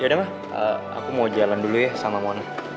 ya udah mah aku mau jalan dulu ya sama mona